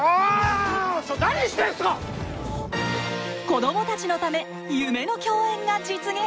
子どもたちのため夢の共演が実現！